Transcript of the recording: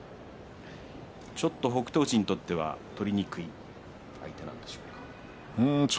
ちょっと北勝富士にとっては取りにくい相手です。